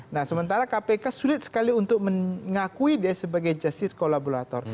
nah sementara kpk sulit sekali untuk mengakui dia sebagai justice kolaborator